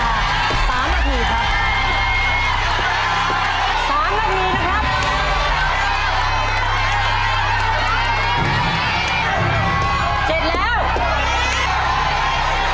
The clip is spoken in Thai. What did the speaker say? ๓นาทีครับ